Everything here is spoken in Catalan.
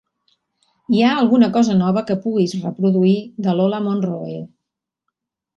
Hi ha alguna cosa nova que puguis reproduir de Lola Monroe